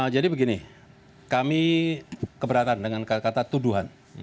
jadi begini kami keberatan dengan kata kata tuduhan